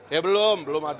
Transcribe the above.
ya belum belum ada